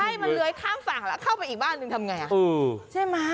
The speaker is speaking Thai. ใช่มันเลยข้ามฝั่งเราเพิ่งอีกบ้านทำยังไง